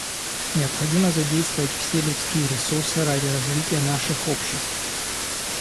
Необходимо задействовать все людские ресурсы ради развития наших обществ.